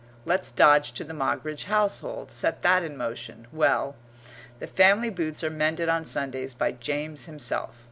Let's dodge to the Moggridge household, set that in motion. Well, the family boots are mended on Sundays by James himself.